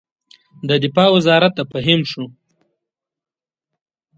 د دفاع وزارت د فهیم شو.